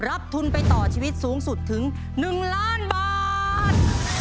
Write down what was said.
ทุนไปต่อชีวิตสูงสุดถึง๑ล้านบาท